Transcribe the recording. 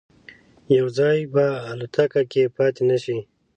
یو ځای به الوتکه کې پاتې نه شي.